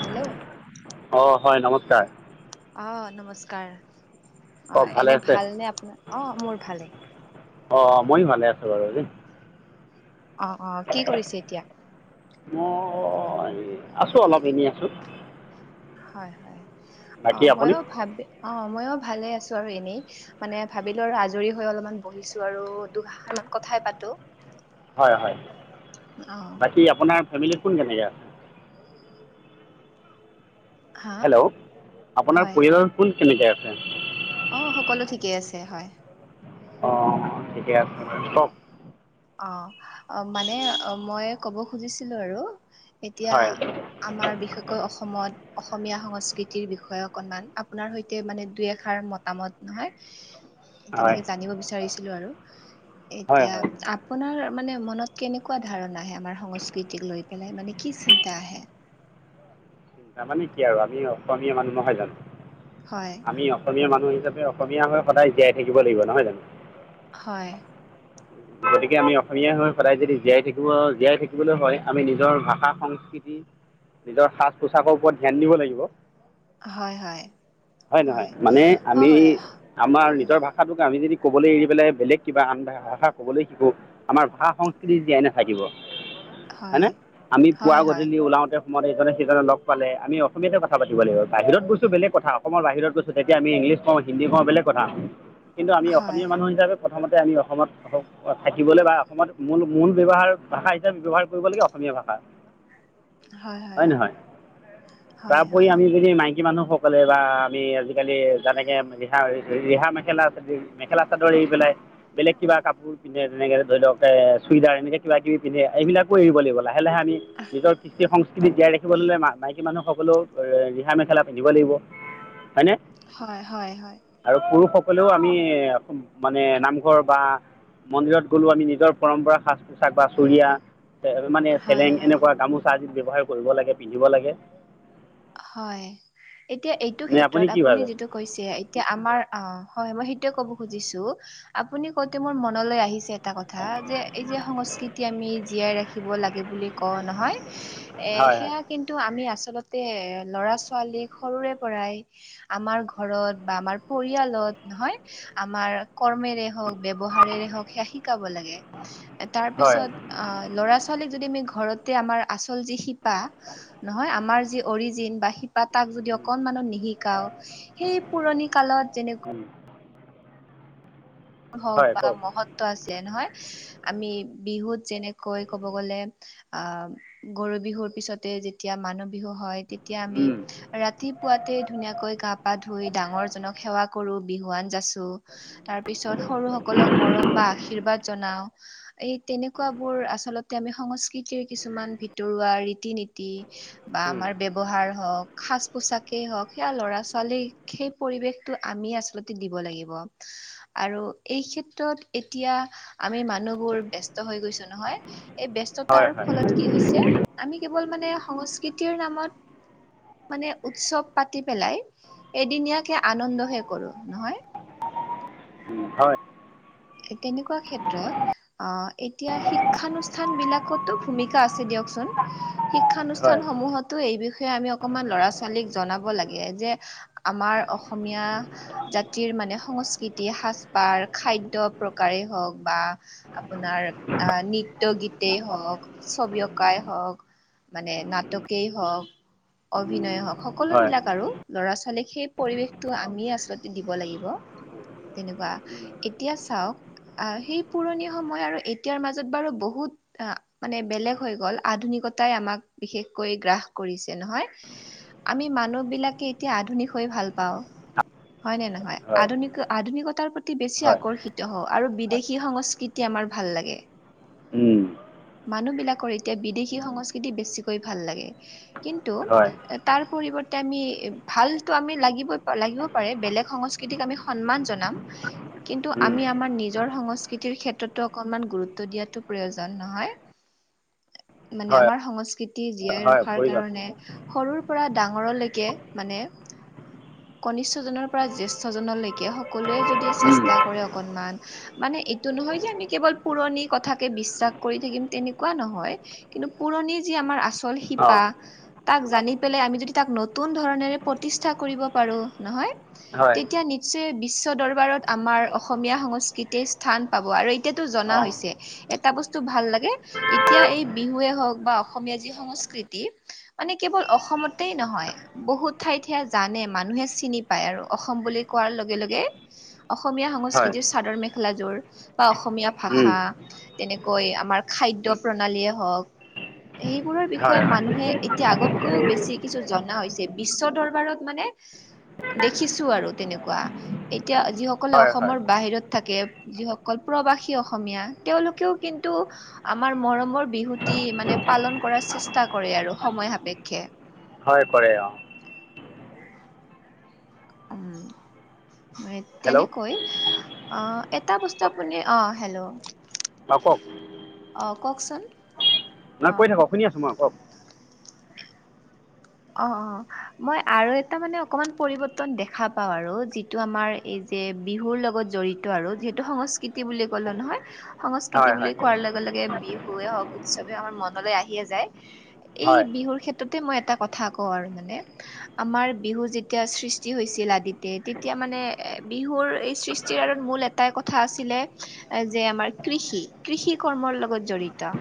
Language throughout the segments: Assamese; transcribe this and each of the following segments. হেল্ল', অ, হয় নমস্কাৰ। অ, নমস্কাৰ অ, কওক ভালে এনে আছে ভালনে আপোনাৰ? অ, মোৰ ভালে। অ, মইও ভালে আছোঁ বাৰু [unintelligible] অ', অ', কি কৰিছে এতিয়া? মই আছোঁ অলপ এনে আছোঁ। হয়-হয় অ, বাকী আপুনি মইয় ভাবি অ, মইয় ভালে আছোঁ আৰু এনেই। মানে ভাবিলোঁ আৰু আজৰি হৈ অলপমান বহিছোঁ আৰু দুখাৰ [unintelligible] কথাই পাতো। হয়-হয় অ বাকী আপোনাৰ ফেমিলিত কোন জন ইয়াৰ? হা হেল্ল', আপোনাৰ হয় পৰিয়ালৰ কোন কেনেকে আছে? অ, সকলো ঠিকেই আছে হয়। অ', অ', ঠিকে আছে অ ক'ক? অ', অ', মানে মই ক'ব খুজিছিলোঁ আৰু এতিয়া হয় আমাৰ বিশেষকৈ অসমত অসমীয়া সংস্কৃতিৰ বিষয়ে অকণমান আপোনাৰ সৈতে মানে দুই এষাৰ মত নামত নহয় হয় তেনেকে জানিব বিচাৰিছিলোঁ আৰু হয় এতিয়া হয় আপোনাৰ মানে মনত কেনেকুৱা ধাৰণা আহে আমাৰ সংস্কৃতিক লৈ পেলাই মানে কি চিন্তা আহে? তাৰ মানে কি আৰু আমি অসমীয়া মানুহ নহয় জনো? হয় আমি অসমীয়া মানুহ হিচাপে অসমীয়া হৈ সদায় জীয়াই থাকিব লাগিব নহয় জানো? হয়। গতিকে আমি অসমীয়াই হৈ সদায় যদি জীয়াই থাকিব জীয়াই থাকিবলৈ হয় আমি নিজৰ ভাষা সং কি-কি নিজৰ সাজ -পোছাকৰ ওপৰত ধ্যান দিব লাগিব। হয় নহয় মানে আমি হয়-হয়-হয়-হয়। আমাৰ নিজৰ ভাষাটোক আমি যদি ক'বলৈ এৰি পেলাই বেলেগ কিব আন ভাষাক কবলৈ শিকো আমাৰ ভাষা সংস্কৃতি জিয়াই নাথাকিব। হয়নে, আমি পুৱা হয় হয় হয় হয় গধূলি ওলাওতে অসমত এইজনে সিজনে লগ পালে আমি অসমীয়াতে কথা পতিব লাগিব বাহিৰত গৈছোঁ বেলেগ কথা অসমৰ বাহিৰত গৈছোঁ তেতিয়া আমি ইংলিছ কওঁ, হিন্দী কওঁ বেলেগ কথা। কিন্তু আমি অসমীয়া মানুহ হিচাপে প্ৰথমতে আমি অসমত নকওঁ অ, থাকিবলৈ বা অসমত মূল-মূল ব্যৱহাৰ ভাষা হিচাপে ব্যৱহাৰ কৰিব লাগে অসমীয়া ভাষা। হয় নহয়? হয় তাৰওপৰি হয় হয় আমি যদি নাই মাইকী মানুহসকলে বা আমি আজিকালি যেনেকে ৰিহা-ৰিহা মেখেলা আছে মেখেলা চাদৰ এৰি পেলাই বেলেগ কিবা কাপোৰ পিন্ধে তেনেকে ধৰি লও এ ছুৰিদাৰ এনেকে কিবা কিবি পিন্ধে এইবিলাকো এৰিব লাগিব। লাহে-লাহে আমি নিজৰ কৃষ্টি সংস্ক সংস্কৃতি জীয়াই ৰাখিবলৈ হলে মাইকী মানুহসকলেও ৰিহা মেখেলা পিন্ধিব লাগিব। হয়নে? হয়, হয়, হয়। আৰু পুৰুষসকলেও আমি মানে নামঘৰ বা মন্দিৰত গলো আমি নিজৰ পৰম্পৰা সাজ পোছাক বা চুুৰিয়া মানে হয় চেলেং হয় এনেকুৱা গামো চা যিত ব্যৱহাৰ কৰিব লাগে পিন্ধিব লাগে। হয়, এতিয়া এইটো নে ক্ষেত্ৰত কি আপুনি ভাবে যিটো কৈছে এতিয়া আমাৰ অ', হয় মই সেইটোয়ে ক'ব খুজিছোঁ আপুনি কৌতে মোৰ মনলৈ আহিছে এটা কথা যে এই যে সংস্কৃতি আমি জীয়াই ৰাখি- শিকিব লাগে বুলি কও নহয়, হয় হয় সেয়া কিন্তু আমি আছলত তে ল'ৰা ছোৱালীক সৰুৰে পৰাই- আমাৰ ঘৰত বা আমাৰ পৰিয়ালত, নহয়? আমাৰ কৰ্মেৰে হওঁক, ব্যৱহাৰেৰে হওঁক, সেয়া শিকাব লাগে। তাৰ হয় পিছত অ, ল'ৰা ছোৱালী যদি আমি ঘৰতে আমাৰ আচল যি বা নহয় আমাৰ যি অৰিজিন বা শি বা তাক যদি অকনমানত নিশিকাও, সেই পুৰণি কালত যেনেক হওক হয় বা কওক মহত্ব আছে নহয়, আমি বিহুত যেনেকৈ ক'ব গলে আহ গৰু বিহুৰ পিছতে যেতিয়া মানুহ বিহু হয় তেতিয়া আমি- ৰাতিপুৱাতে ধুনীয়াকৈ গা পা ধুই ডাঙৰ জনক সেৱা কৰো বিহুৱান যাচো। তাৰ পিছত সৰু সকলক মৰম বা আশীৰ্বাদ জনাও। এই তেনেকুৱাবোৰ আচলতে আমি সংস্কৃতিৰ কিছুমান ভিতৰুৱা ৰীতি নীতি। বা আমাৰ ব্যৱহাৰ হওঁক সাজ পোছাকেই হওক সেয়া ল'ৰা ছোৱালীক সেই পৰিৱেশটো আমি আচলতে দিব লাগিব আৰু এই ক্ষেত্ৰত এতিয়া- আমি মানুহবোৰ ব্যস্ত হৈ গৈছো নহয় এই হয় ব্যস্ততাৰ হয় ফলত কি হৈছে? আমি কেৱল মানে সংস্কৃতিৰ নামত- মানে উৎসৱ পাতি পেলাই এদিনীয়াকে আনন্দহে কৰো নহয়। হয়। তেনেকুৱা ক্ষেত্ৰত- অ এতিয়া শিক্ষানুষ্ঠান বিলাকতো ভূমিকা আছে দিয়কচোন। হয় শিক্ষানুষ্ঠান হয় সমূহতো এই বিষয়ে আমি অকমান ল'ৰা ছোৱালীক জনাব লাগে যে- আমাৰ অসমীয়া জাতিৰ মানে সংস্কৃতি, সাজপাৰ, খাদ্ দ্য প্ৰকাৰেই হওক বা- আপোনাৰ আহ নৃত্য গীতেই হওক ছবি অঁকাই হওক। মানে নাটকেই হওক অভিনয়ে হওক হয় সকলোবিলাক আৰু। লৰা ছোৱালীক সেই পৰিৱেশটো আমি আচলতে দিব লাগিব তেনেকুৱা এতিয়া চাওক সেই পুৰণি সময় আৰু এতিয়াৰ মাজত বাৰু বহুত, আহ মানে বেলেগ হৈ গ'ল আধুনিকতাই আমাক বিশেষকৈ গ্ৰাস কৰিছে নহয়। আমি মানুহ বিলাকে এতিয়া আধুনিক হৈ ভাল পাও হয়নে ন- হয় আধুনিক আধুনিকতাৰ প্ৰতি বেছি আক ৰ্ষিত হও আৰু বিদেশী সংস্কৃতি আমাৰ ভাল লাগে উম- মানুহ বিলাকৰ এতিয়া বিদেশী সংস্কৃতি বেছিকৈ ভাল লাগে কিন্তু হয় হয় তাৰ পৰিৱৰ্তে আমি ভালতো আমি লাগিব লাগিব পাৰে বেলেগ সংস্ক কৃতিক আমি সন্মান জনাম। কিন্তু আমি আমাৰ নিজৰ সংস্কৃতিৰ ক্ষেত্ৰতো অকণমান গুৰুত্ব দিয়াটো প্ৰয়োজন নহয়। মানে হয় আমাৰ সংস্কৃতি জীয়াই হয় ৰখাৰ প্ৰয়োজন কাৰণে। সৰুৰ পৰা ডাঙৰলৈকে মানে কনিষ্ঠজনৰ পৰা জেষ্ঠ জনলৈকে সকলোৱে যদি চেষ্টা কৰে অকনমান মানে এইটো নহয় যে আমি কেৱল পুৰণি কথাকে বিশ্বাস কৰি থাকিম তেনেকুৱা নহয়। কিন্তু পুৰণি যি আমাৰ আচল অঁ শিপা তাক জানি পেলাই আমি যদি তাক নতুন ধৰণৰে প্ৰতিষ্ঠা কৰিব পাৰো নহয়। হয় তেতিয়া নৃ- যে বিশ্ব দৰবাৰত আমাৰ অসমীয়া সংস্কৃতি স্থান পাব আৰু এতিয়াতো জনা অঁ হৈছে। এটা বস্তু ভাল লাগে এতিয়া এই বিহুৱে হওক বা অসমীয়া যি সংস্কৃতি মানে কেৱল অসমতেই নহয় বহুত ঠাইতে জানে মানুহে চিনি পায় আৰু অসম বুলি কোৱাৰ লগে লগে অসমীয়া হয় সংস্কৃতিৰ চাদৰ মেখেলাযোৰ বা অসমীয়া ভাষা। তেনেকৈ আমাৰ খাদ্য প্ৰণালীয়ে হওক। সেইবোৰৰ হয় বিষয়ে মানুহে এতিয়া আগতকৈও বেছি। কিছু জনা হৈছে বিশ্ব দৰবাৰত মানে দেখিছো আৰু তেনেকুৱা এতিয়া যিসকলে হয় হয় অসমৰ বাহিৰত থাকে যিসকল প্ৰবাসী অসমীয়া তেওঁলোকেও কিন্তু আমাৰ মৰমৰ বিহুটি মানে পালন কৰা চেষ্টা কৰে আৰু সময় সাপেক্ষে। হয় কৰে অ। উম মানে হেল্ল' তেনেকৈ অ এটা বস্তু আপুনি, অ হেল্ল'। অ কওক? অ কওকচোন? নাই অ কৈ থাকক শুনি আছো মই, কওক? অ অ মই আৰু এটা মানে অকমান পৰিৱৰ্তন দেখা পাওঁ আৰু যিটো আমাৰ এইজ যে বিহুৰ লগত জড়িত আৰু যিহেতু সংস্কৃতি বুলি ক'লো নহয়। সংস্কৃতি হয় বুলি হয় কোৱাৰ লগে লগে বিহুৱে হওক উৎসৱে আমাৰ মনলে আহিয়ে যায়। এই হয় বিহুৰ ক্ষেত্ৰতে মই এটা কথা কওঁ আৰু মানে আমাৰ বিহু যেতিয়া সৃষ্টি হৈছিল আদিতে, তেতিয়া মানে বিহুৰ এই সৃষ্টিৰ আৰত মূল এট- টাই কথা আছিলে যে আমাৰ কৃষি, কৃষি কৰ্মৰ লগত জড়িত।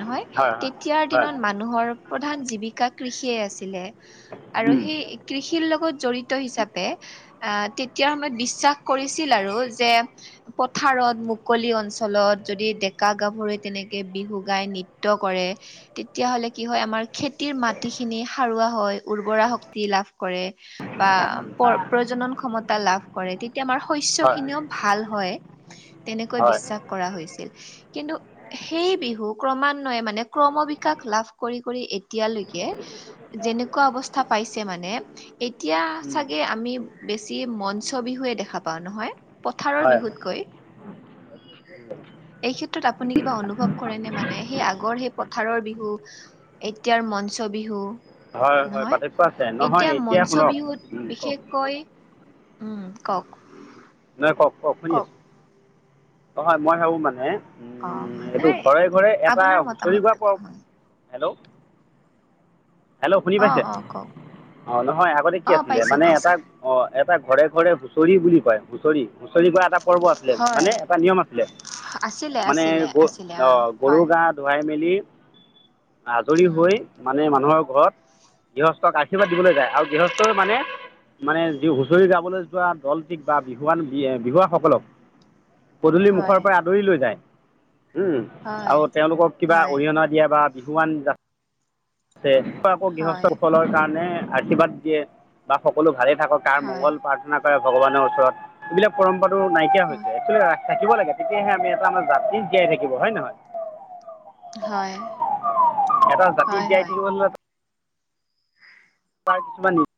নহয় হয় হয় তেতিয়াৰ হয় হয় দিনত মানুহৰ প্ৰধান জীৱিকা কৃষিয়ে আছ- ছিলে আৰু সেই কৃষিৰ লগত জড়িত হিচাপে আহ তেতিয়াৰ সময়ত বিশ্বাস কৰিছিল আৰু যে পথাৰত মুকলি অঞ্চলত যদি ডেকা গাভৰু তেনেকে বিহু গাই নৃত্য কৰে। তেতিয়া হ'লে কি হয় আমাৰ খেতিৰ মাটিখিনি সাৰুৱা হয়, উৰ্বৰা শক্তি লাভ কৰে। বা প্ৰজনন ক্ষমতা লাভ কৰে, তেত- তে আমাৰ শস্য হয় খিনিও ভাল হয় তেনেকৈ বিশ্বাস কৰা হৈছিল। কিন্তু সেই বিহু ক্ৰমানয়ে মানে ক্ৰম বিকাশ লাভ কৰি কৰি এতিয়ালৈকে যেনেকুৱা অৱস্থা পাইছে মানে এতিয়া চাগে আমি বেছি মঞ্চ বিহুৱে দেখা পাওঁ নহয়। পথাৰৰ হয় বিহুতকৈ [unintelligible] এই ক্ষেত্ৰত আপুনি কিবা অনুভৱ কৰেনে মানে সেই আগৰ সেই পথাৰৰ বিহু এতিয়াৰ মঞ্চ বিহু, হয় হয় নহয় পাৰ্থক্য আছে নহয় এতিয়া মঞ্চ শুনক বিহুত কওক বিশেষকৈ উম, কওক? নহয় কওক কওক? শুনি আছো, অ হয় মই ভাবোঁ মানে অ উম সেইটো নাই ঘৰে ঘৰে এটা আপোনাৰ হুচৰি মতামত গোৱা প হেল্ল' হেল্ল' শুনি অ পাইছে? অ কওক অ নহয় আগতে কি অ আছিলে পাইছো মানে পাইছো এটা অ এটা ঘৰে ঘৰে হুঁচৰি বুলি কয় হুঁচৰি হুঁচৰি কোৱা এটা পৰ্বত লে হয় মানে এটা নিয়ম আছিলে, আছিলে মানে আছিলে গৰু আছিলে অ গৰু হয় গাত ধুৱাই মেলি আজৰি উম হৈ মানে মানুহক ঘৰত গৃহস্থক আশীৰ্বাদ দিবলৈ যায় আৰু গৃহস্থই মানে মানে যি হুঁচৰি যাবলৈ যোৱা দলটিক বা বিহুৱান বিহুৱাসকলক পদূলি মুখৰ হয় পৰা আদৰি লৈ যায়, উম হয় আৰু তেওঁলোকক কিবা হয় অৰিহণা কেতিয়াবা বিহুৱান [unintelligible] আকৌ হয় গৃহস্থসকলৰ কাৰণে আশীৰ্বাদ দিয়ে বা সকলো ভালে থাকক তাৰ হয়, মংগল প্ৰাৰ্থনা কৰে ভগৱানৰ ওচৰত। এইবিলাক পৰম্পৰাটো নাইকিয়া হয়, হৈছে। [unintelligible] থাকিব লাগে তেতিয়াহে আমি এটা আমাৰ জাত্ৰী জীয়াই থাকিব হয় নে নহয়? হয়, এটা জাতি হয়, জীয়াই হয়। থাকিব [unintelligible] প্ৰায় কিছুমান [unintelligible]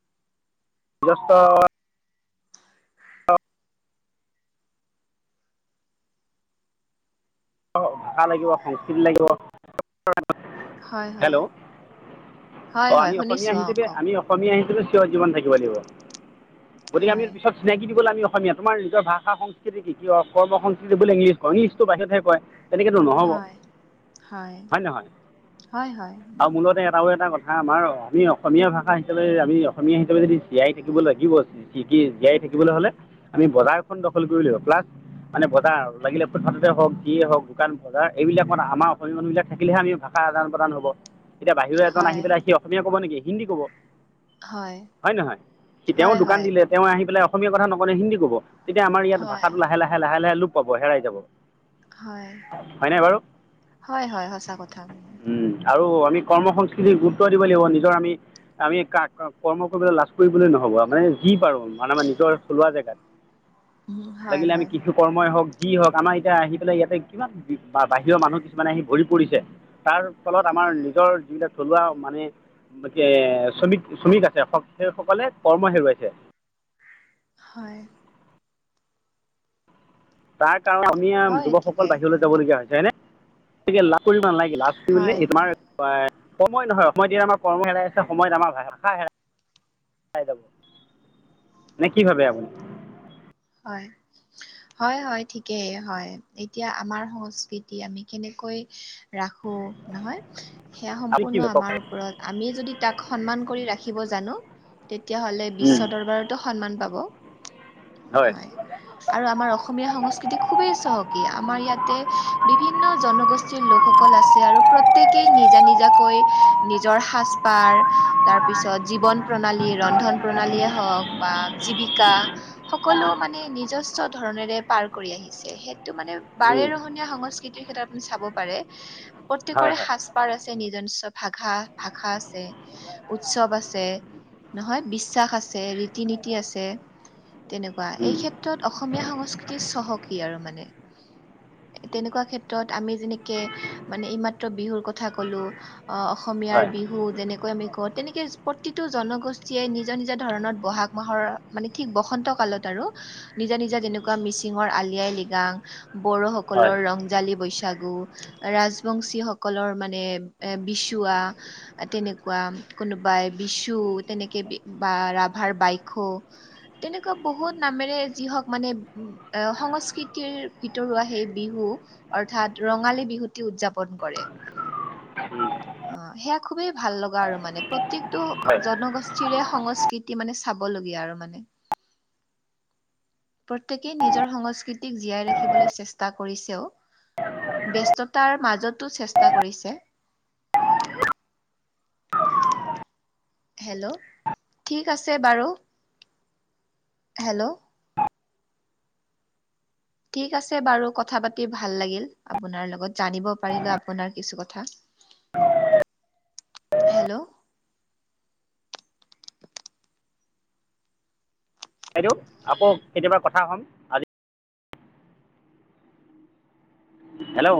গৃহস্থ [unintelligible] ভাষা লাগিব, সংস্কৃতি লাগিব। [unintelligible] হয়, হয়, হেল্ল' হয়, অ' হয়, আমি অসমীয়া শুনিছো অ, হিচাপে কওক আমি অসমীয়া হিচাপে চিৰ জীৱন থাকিব লাগিব। গতিকে আমি হয়, পিছত চিনাকি দিবলৈ আমি অসমীয়া। তোমাৰ নিজৰ ভাষা সংস্কৃতি কি? কৰ্ম সংস্কৃতি বুলি ইংলিছ ইংলিছটো বাহিৰতহে কয়। তেনেকেতো নহ'ব, হয়। হয় নে নহয়? হয়, হয়, আৰু মূলতে এটাও এটা কথা হা আমাৰ আমি অসমীয়া ভাষা হিচাপে আমি অসমীয়া হিচাপে যদি জীয়াই থাকিব লাগিব শিকি জীয়াই থাকিবলৈ হ'লে আমি বজাৰখন দখল কৰিব লাগিব। প্লাছ মানে বজাৰ আৰু লাগিলে আৰু প্ৰথামতে হওক। যিয়ে হওক দোকান বজাৰ এইবিলাক মানে আমাৰ অসমীয়া মানুহবিলাক থাকিলেহে আমি ভাষা আদান প্ৰদান হ'ব। এতিয়া বাহিৰৰ এজন হয়, আহি পেলাই সি অসমীয়া ক'ব নেকি? হিন্দী ক'ব। হয় নহয়? তেওঁ হয়, দোকান হয়। দিলে তেওঁ আহি পেলাই অসমীয়া কথা নকয় নহয় হিন্দী ক'ব। তেতিয়া আমাৰ ইয়াত হয়, ভাষাটো লাহে লাহে লাহে লাহে লোপ পাব, হেৰাই যাব। হয়। হয়নে বাৰু হয়, হয় সঁচা কথা। আৰু আমি কৰ্ম সংস্কৃতিৰ গুৰুত্ব দিব লাগিব। নিজৰ আমি আমি কা কৰ্ম কৰিব লাজ কৰিবলৈ নহ'ব। মানে যি পাৰো মানে আমাৰ নিজৰ থলুৱা জেগাত। [inaudible] হয়, লাগিলে আমি হয়, কিছু কৰ্মই হওক যি হওক আমাৰ এতিয়া আহি ইয়াতে কিমান বাহিৰৰ মানুহ কিছুমানে আহি ভৰি পৰিছে। তাৰ ফলত আমাৰ নিজৰ যিবিলাক থলুৱা মানে কি শ্ৰমিক শ্ৰমিক আছে সেইসকলে কৰ্ম হেৰুৱাইছে। হয়। তাৰ কাৰণ আমি আ হয়, যুৱকসকল ঠিকেই বাহিৰলৈ উম, যাব লগীয়া হৈছে, হয়নে? গতিকে লাজ কৰিব নালাগে। লাজ কৰিলে হয়, হয়, তোমাৰ সময় নহয়। সময় দি আমাৰ কৰ্ম হেৰাই আছে সময়ত আমাৰ ভা ভাষা হেৰা পাই যাব। মানে কি ভাবে আপুনি? হয়। হয়, হয় ঠিকেই। হয়, এতিয়া আমাৰ সংস্কৃতি আমি কেনেকৈ ৰাখো নহয় সেয়া আপুনি কি সম্পূৰ্ণ ভাবে কওক আমাৰ ওপৰত। আমি যদি তাক সন্মান কৰি ৰাখিব জানো তেতিয়াহ'লে বিশ্ব দৰবাৰতো সন্মান পাব। হয় আৰু আমাৰ অসমীয়া সংস্কৃতি খুবেই চহকী। আমাৰ ইয়াতে বিভিন্ন জনগোষ্ঠীৰ লোকসকল আছে আৰু প্ৰত্যেকেই নিজা নিজাকৈ নিজৰ সাজ-পাৰ তাৰপিছত জীৱন-প্ৰণালী, ৰন্ধন-প্ৰণালীয়ে হওক বা জীৱিকা সকলো মানে নিজস্ব ধৰনেৰে পাৰ কৰি আহিছে। সেইটো মানে বাৰে ৰহনীয়া সংস্কৃতি আপুনি চাব পাৰে হয় হয় প্ৰত্যেকৰে সাজ পাৰ আছে, নিজস্ব ভাষা ভাষা আছে। উৎচৱ আছে, নহয় বিশ্বাস আছে, ৰীতি-নীতি আছে। তেনেকুৱা এই ক্ষেত্ৰত অসমীয়া সংস্কৃতি চহকী আৰু মানে। তেনেকুৱা ক্ষেত্ৰত আমি যেনেকে মানে এইমাত্ৰ বিহুৰ কথা ক'লো অ' অসমীয়াৰ হয় বিহু যেনেক কৈ আমি কওঁ তেনেকে প্ৰতিটো জনগোষ্ঠীয়ে নিজৰ নিজৰ ধৰণত ব'হাগ মাহৰ মানে ঠিক বসন্ত কালত আৰু নিজা নিজা যেনেকুৱা মিচিংৰ আলি আই লৃগাং, বড়োসকল হয় সকলৰ ৰংজালী বৈশাগু। ৰাজবংশী সকলৰ মানে এ বিচুৱা। এ তেনেকুৱা কোনোবাই বিচু তেনেকে বা ৰাভাৰ বাইখু এনেকুৱা বহুত নামেৰে যি হওঁক মানে এ সংস্কৃতিৰ ভিতৰুৱা সেই বিহু অৰ্থাৎ ৰঙালী বিহুটি উদযাপন কৰে। অঁ, সেয়া খুবেই ভাল লগা আৰু মানে প্ৰত্যেকটো হয় জনগো গোষ্ঠীৰে সংস্কৃতি মানে চাবলগীয়া আৰু মানে। প্ৰত্যেকেই নিজৰ সংস্কৃতিক জীয়াই ৰাখিবলৈ চেষ্টা কৰিছেও। ব্যস্ততাৰ মাজতো চেষ্টা কৰিছে। হেল্ল' ঠিক আছে বাৰু। হেল্ল' ঠিক আছে বাৰু কথা পাতি ভাল লাগিল আপোনাৰ লগত জানিব পাৰিলো আপোনাৰ কিছু কথা। হেল্ল' বাইদেউ আকৌ কেতিয়াবা কথা হম। আজি হেল্ল'